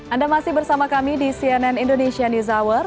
anda masih bersama kami di cnn indonesia news hour